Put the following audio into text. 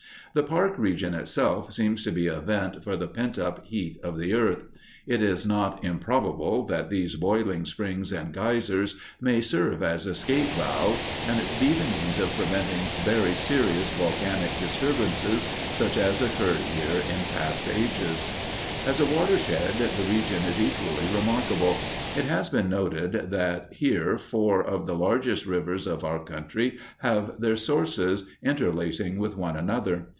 The park region itself seems to be a vent for the pent up heat of the earth. It is not improbable that these boiling springs and geysers may serve as escape valves, and be the means of preventing very serious volcanic disturbances, such as occurred here in past ages. As a watershed the region is equally remarkable. It has been noted that here four of the largest rivers of our country have their sources, interlacing with one another.